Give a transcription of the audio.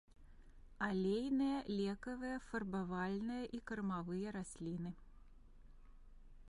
Алейныя, лекавыя, фарбавальныя і кармавыя расліны.